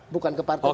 bukan ke partai juga